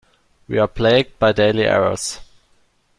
We are plagued by daily errors.